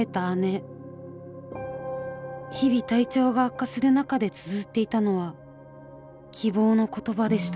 日々体調が悪化する中でつづっていたのは希望の言葉でした。